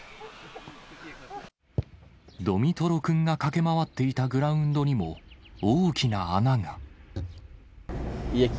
ドミトロ君が駆け回っていたグラウンドにも大きな穴が。